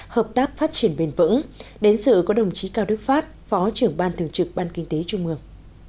hợp tác phát triển bền vững đến sự có đồng chí cao đức phát phó trưởng ban thường trực ban kinh tế trung mương